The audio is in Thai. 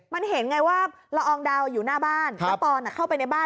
มันเห็นไงว่าละอองดาวอยู่หน้าบ้านแล้วตอนเข้าไปในบ้าน